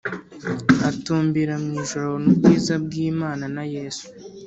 atumbira mu ijuru abona ubwiza bw Imana na Yesu